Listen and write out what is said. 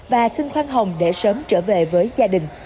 và xin khoan hồng để sớm trở về với gia đình